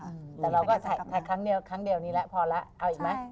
แต่เราก็ถ่ายครั้งเดียวนี้แหละพอแล้วเอาอีกไหม